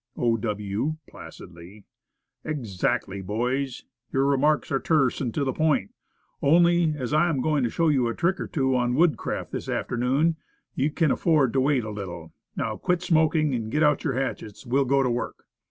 O. W. (placidly). "Exactly, boys. Your remarks are terse, and to the point. Only, as I am going to show you a trick or two on woodcraft this afternoon, you can afford to wait a little. Now, quit smoking, and get out your hatchets; we'll go to work."